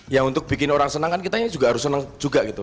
ya untuk bikin orang senang kan kita ini juga harus senang juga gitu